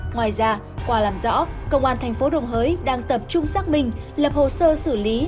ngoài ra qua làm rõ công an thành phố đồng hới đang tập trung xác minh lập hồ sơ xử lý